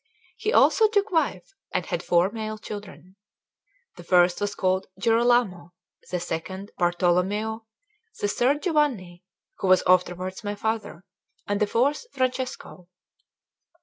He also took wife, and had four male children. The first was called Girolamo, the second Bartolommeo, the third Giovanni, who was afterwards my father, and the fourth Francesco.